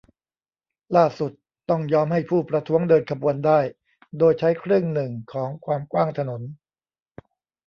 ล่าสุดต้องยอมให้ผู้ประท้วงเดินขบวนได้โดยใช้ครึ่งหนึ่งของความกว้างถนน